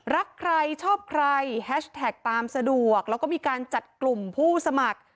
รักใครชอบใครแฮชแท็กตามสะดวกแล้วก็มีการจัดกลุ่มผู้สมัคร